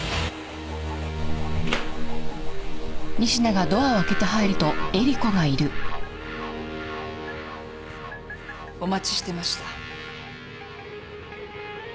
お待ちしてました。